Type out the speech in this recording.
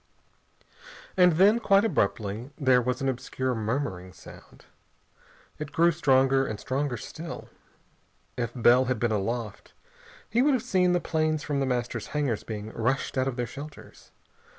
And then, quite abruptly, there was an obscure murmuring sound. It grew stronger, and stronger still. If Bell had been aloft, he would have seen the planes from The Master's hangars being rushed out of their shelters.